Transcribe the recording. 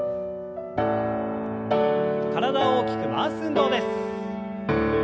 体を大きく回す運動です。